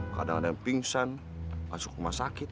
kadang kadang pingsan masuk rumah sakit